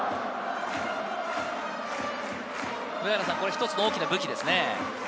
一つの大きな武器ですね。